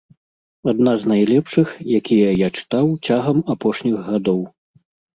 Адна з найлепшых, якія я чытаў цягам апошніх гадоў.